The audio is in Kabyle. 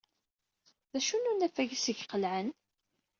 D acu n unafag ayseg qelɛen?